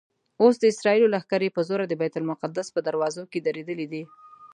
اوس د اسرائیلو لښکرې په زوره د بیت المقدس په دروازو کې درېدلي دي.